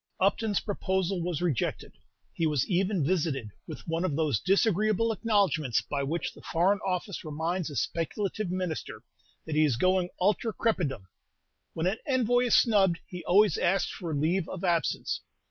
Upton's proposal was rejected. He was even visited with one of those disagreeable acknowledgments by which the Foreign Office reminds a speculative minister that he is going ultra crepidam. When an envoy is snubbed, he always asks for leave of absence.